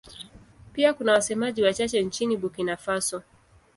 Pia kuna wasemaji wachache nchini Burkina Faso.